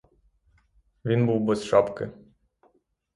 Він був без шапки.